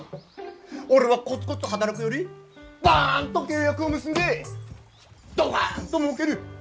俺はコツコツ働くよりバンと契約を結んでドカンともうける。